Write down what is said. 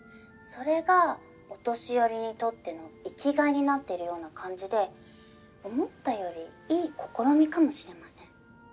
それがお年寄りにとっての生きがいになってるような感じで思ったよりいい試みかもしれません。